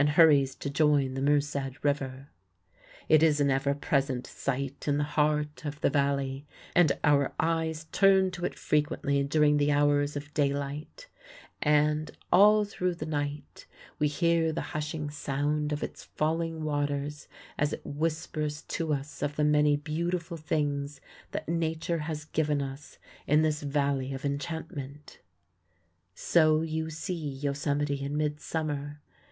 Pillsbury VIEW FROM INSPIRATION POINT Bridal Veil Falls in the distance at right of picture] It is an ever present sight in the heart of the Valley, and our eyes turn to it frequently during the hours of daylight. And, all through the night, we hear the hushing sound of its falling waters as it whispers to us of the many beautiful things that Nature has given us in this valley of enchantment. So you see Yosemite in midsummer.